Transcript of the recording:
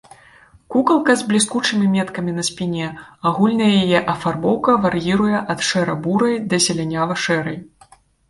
Кукалка з бліскучымі меткамі на спіне, агульная яе афарбоўка вар'іруе ад шэра-бурай да зелянява-шэрай.